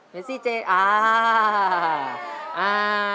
ซี่เจอ่า